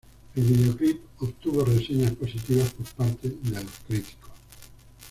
El videoclip obtuvo reseñas positivas por parte de los críticos.